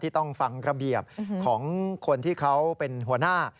ต้องฟังระเบียบของคนที่เขาเป็นหัวหน้า